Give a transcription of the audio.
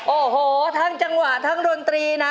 โอ้โหทั้งจังหวะทั้งดนตรีนะ